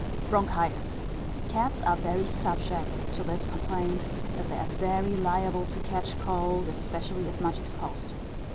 Bronchitis. Cats are very subject to this complaint, as they are very liable to catch cold, especially if much exposed.